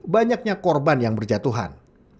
banyaknya korban yang berjatuhan